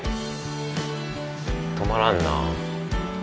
止まらんなぁ。